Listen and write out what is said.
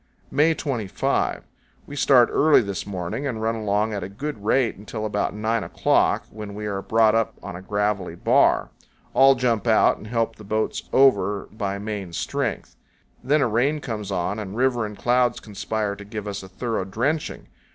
May 25. We start early this morning and run along at a good powell canyons 83.jpg A VALLEY WEST OF GREEN RIVER. rate until about nine o'clock, when we are brought up on a gravelly bar. All jump out and help the boats over by main strength. Then a rain comes on, and river and clouds conspire to give us a thorough drenching.